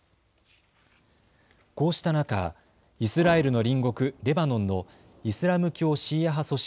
こうした中、イスラエルの隣国レバノンのイスラム教シーア派組織